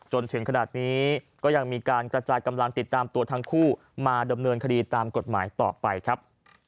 จนถึงขนาดนี้ก็ยังมีการกระจายกำลังติดตามตัวทั้งคู่มาดำเนินคดีตามกฎหมายต่อไปครับ